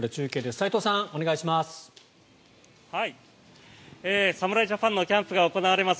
齋藤さん、お願いします。